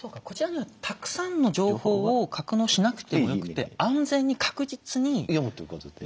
こちらにはたくさんの情報を格納しなくてよくて安全に確実に読むっていうこと。